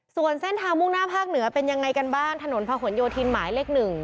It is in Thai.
ส่วนเส้นทางมุ่งหน้าภาคเหนือเป็นยังไงกันบ้างถนนพระหลโยธินหมายเลข๑